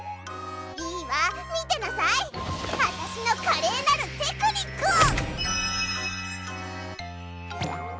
いいわ見てなさい私の華麗なるテクニックを！